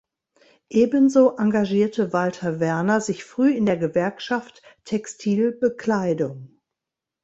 Ebenso engagierte Walter Werner sich früh in der Gewerkschaft Textil-Bekleidung.